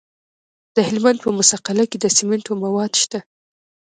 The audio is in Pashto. د هلمند په موسی قلعه کې د سمنټو مواد شته.